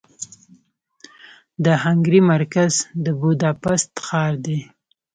د هنګري مرکز د بوداپست ښار دې.